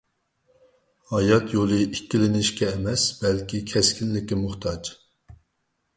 ھايات يولى ئىككىلىنىشكە ئەمەس، بەلكى كەسكىنلىككە موھتاج!